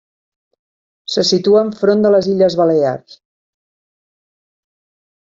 Se situa enfront de les Illes Balears.